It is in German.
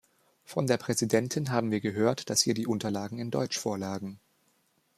Von der Präsidentin haben wir gehört, dass ihr die Unterlagen in Deutsch vorlagen.